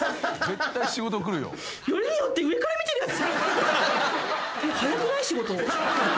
よりによって上から見てるやつ。